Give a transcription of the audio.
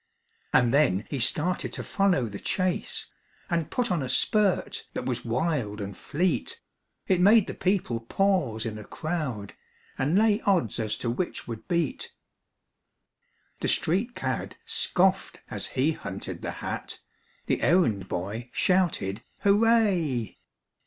And then he started to follow the chase, And put on a spurt that was wild and fleet, It made the people pause in a crowd, And lay odds as to which would beat. The street cad scoffed as he hunted the hat, The errand boy shouted hooray!